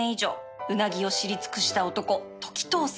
ウナギを知り尽くした男時任さん